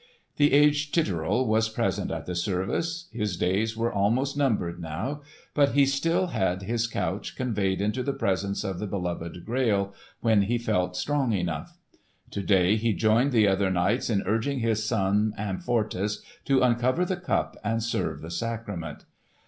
The aged Titurel was present at the service. His days were almost numbered now, but he still had his couch conveyed into the presence of the beloved Grail when he felt strong enough. To day he joined the other knights in urging his son Amfortas to uncover the Cup and serve the sacrament.